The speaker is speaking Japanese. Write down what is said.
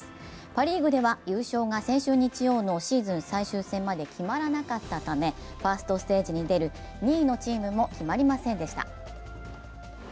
パ・リーグでは優勝が先週日曜のシーズン最終戦まで決まらなかったためファーストステージに出る２位のチームも決まりませんでした。